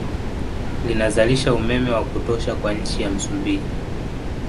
Linazalisha umeme wa kutosha kwa nchi ya Msumbiji